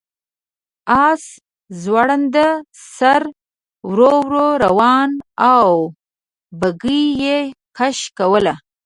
آس ځوړند سر ورو ورو روان و او بګۍ یې کش کوله.